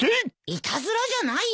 いたずらじゃないよ。